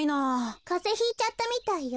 カゼひいちゃったみたいよ。